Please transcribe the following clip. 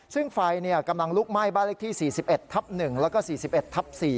ซึ่งไฟกำลังลุกไหม้บ้านเลขที่๔๑ทับ๑แล้วก็๔๑ทับ๔